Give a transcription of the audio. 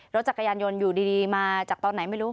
รถจักรยานยนต์อยู่ดีมาจากตอนไหนไม่รู้